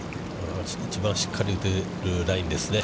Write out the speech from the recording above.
一番しっかり打てるラインですね。